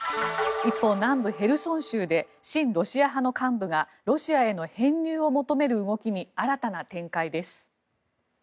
一方、南部ヘルソン州で親ロシア派の幹部がロシアへの編入を求める動きに新たな展開です。